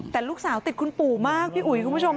แต่ลูกสาวติดคุณปู่มากพี่อุ๋ยคุณผู้ชม